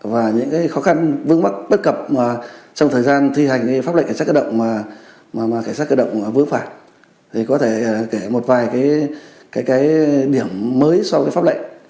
và những cái khó khăn vướng mắt bất cập mà trong thời gian thi hành pháp lệnh cảnh sát cơ động mà mà mà cảnh sát cơ động vướng phản thì có thể kể một vài cái cái cái điểm mới so với pháp lệnh